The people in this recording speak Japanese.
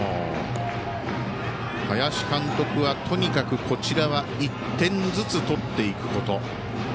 林監督は、とにかくこちらは１点ずつ取っていくこと。